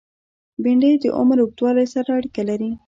بېنډۍ د عمر اوږدوالی سره اړیکه لري